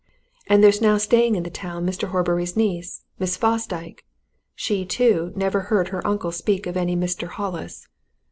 And there's now staying in the town Mr. Horbury's niece, Miss Fosdyke; she, too, never heard her uncle speak of any Mr. Hollis.